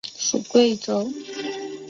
属桂州。